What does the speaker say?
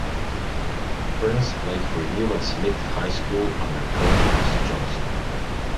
Burns played for Newman Smith High School under coach Percy Johnson.